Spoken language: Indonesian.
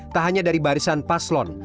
tak hanya dari barisan paslon